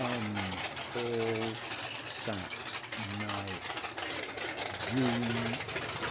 ] M. HALL, SAT. NIGHT, JUNE 24.